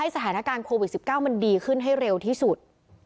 สถานการณ์โควิด๑๙มันดีขึ้นให้เร็วที่สุด